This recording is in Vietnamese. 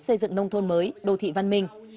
xây dựng nông thôn mới đô thị văn minh